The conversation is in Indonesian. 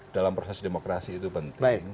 dalam proses demokrasi itu penting